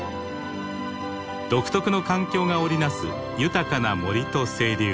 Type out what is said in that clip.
独特の環境が織り成す豊かな森と清流。